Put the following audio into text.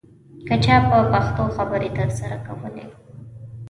که چا په پښتو خبرې درسره کولې.